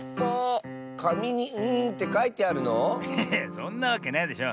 そんなわけないでしょ。